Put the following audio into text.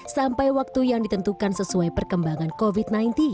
sampai waktu yang ditentukan sesuai perkembangan covid sembilan belas